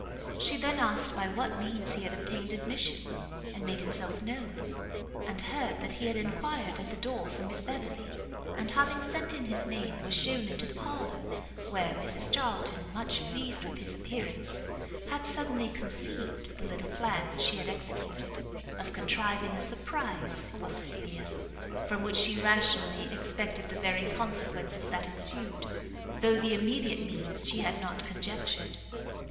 She then asked by what means he had obtained admission, and made himself known; and heard that he had enquired at the door for Miss Beverley, and, having sent in his name, was shewn into the parlour, where Mrs Charlton, much pleased with his appearance, had suddenly conceived the little plan which she had executed, of contriving a surprise for Cecilia, from which she rationally expected the very consequences that ensued, though the immediate means she had not conjectured.